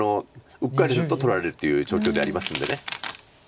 うっかりすると取られるっていう状況ではありますんで。